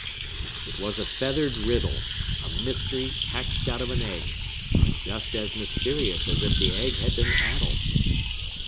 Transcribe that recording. It was a feathered riddle; a mystery hatched out of an egg, and just as mysterious as if the egg had been addle!